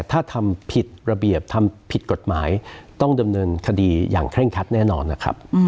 ถ้าทำผิดระเบียบทำผิดกฎหมายต้องดำเนินคดีอย่างเคร่งคัดแน่นอนนะครับ